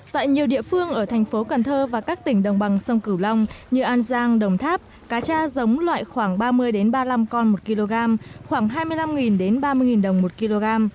tại nhiều địa phương ở thành phố cần thơ và các tỉnh đồng bằng sông cửu long như an giang đồng tháp cá cha giống loại khoảng ba mươi ba mươi năm con một kg khoảng hai mươi năm ba mươi đồng một kg